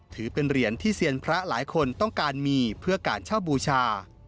ถือเป็นเหรียญที่เซียนพระหลายคนต้องการมีเพื่อการเช่าบูชา